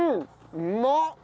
うまっ！